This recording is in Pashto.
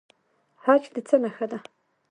حج د څه نښه ده؟